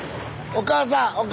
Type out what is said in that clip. お母さん！